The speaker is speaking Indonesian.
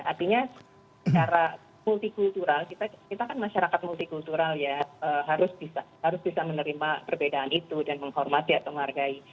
artinya secara multikultural kita kan masyarakat multikultural ya harus bisa menerima perbedaan itu dan menghormati atau menghargai